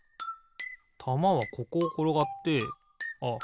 たまはここをころがってあっ